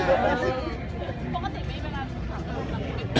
แม่กับผู้วิทยาลัย